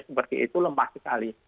seperti itu lemah sekali